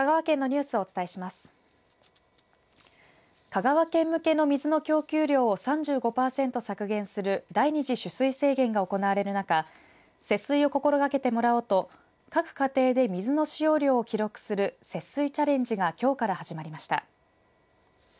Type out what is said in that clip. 香川県向けの水の供給量を３５％削減する第二次取水制限が行われる中、節水を心がけてもらおうと各家庭で水の使用量を記録する節水チャレンジがきょうから始まりました。